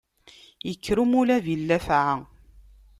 Ikker umulab i llafaɛ.